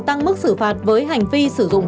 tăng mức xử phạt với hành vi sử dụng